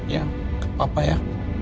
ya ke papa ya